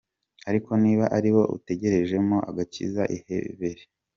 Ariko niba ari bo utegereje mo agakiza, ihebere.